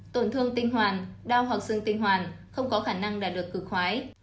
tổn thương tinh hoàn đau hoặc sưng tinh hoàn không có khả năng đạt được cực khoái